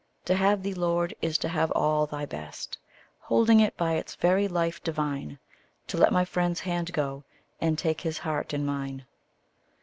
To have thee, Lord, is to have all thy best, Holding it by its very life divine To let my friend's hand go, and take his heart in mine.